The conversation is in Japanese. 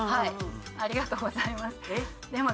ありがとうございますでも